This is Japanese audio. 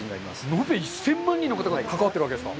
延べ１０００万人の方がかかわってるんですか？